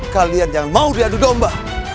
kalian jangan mau diadu domba